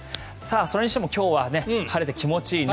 それにしても今日は晴れて気持ちいい。